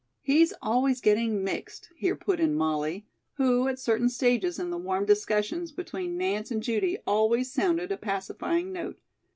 '" "He's always getting mixed," here put in Molly, who at certain stages in the warm discussions between Nance and Judy always sounded a pacifying note.